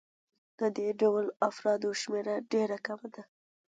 د دې ډول افرادو شمېره ډېره کمه ده